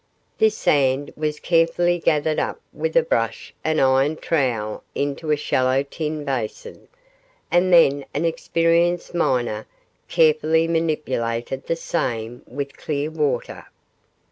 This sand was carefully gathered up with a brush and iron trowel into a shallow tin basin, and then an experienced miner carefully manipulated the same with clear water.